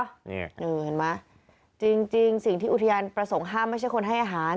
นี่เห็นไหมจริงสิ่งที่อุทยานประสงค์ห้ามไม่ใช่คนให้อาหาร